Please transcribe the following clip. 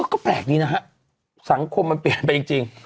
ก็แปลกดีนะฮะสังคมมันเปลี่ยนไปจริง